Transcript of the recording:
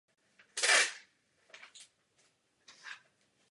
Je to důležité průmyslové město a železniční uzel.